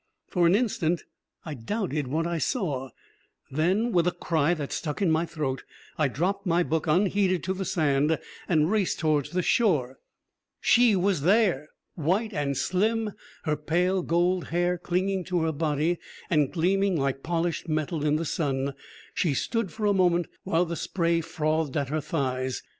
For an instant I doubted what I saw; then, with a cry that stuck in my throat, I dropped my book unheeded to the sand and raced towards the shore. She was there! White and slim, her pale gold hair clinging to her body and gleaming like polished metal in the sun, she stood for a moment, while the spray frothed at her thighs.